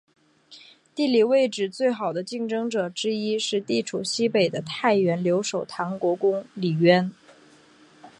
地理位置最好的竞争者之一是地处西北的太原留守唐国公李渊。